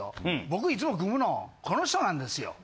僕いつも組むのこの人なんですよ。